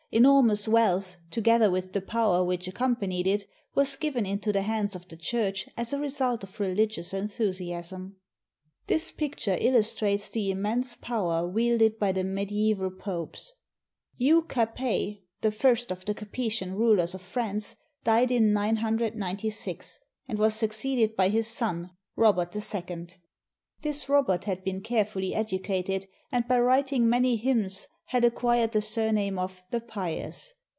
Enor mous wealth, together with the power which accompanied it, was given into the hands of the Church as a result of religious enthusiasm. This picture illustrates the immense power wielded by the mediaeval Popes. Hugh Capet, the first of the Capetian rulers of France, died in 996, and was succeeded by his son, Robert II. This Robert had been carefully educated, and by writing many hymns had acquired the surname of "The Pious."